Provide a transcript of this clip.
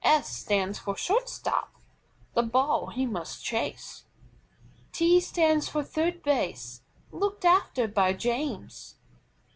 S stands for SHORT STOP, the ball he must chase. T stands for THIRD BASE, looked after by James.